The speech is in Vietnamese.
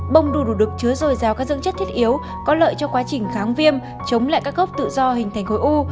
bông đu đủ đực chứa dồi dào các dưỡng chất thiết yếu có lợi cho quá trình kháng viêm chống lại các gốc tự do hình thành hối u